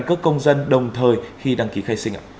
cấp căn cấp công dân đồng thời khi đăng ký khai sinh